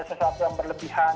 sesuatu yang berlebihan